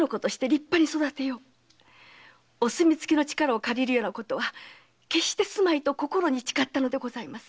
“お墨付きの力を借りるようなことは決してすまい”と心に誓ったのでございます。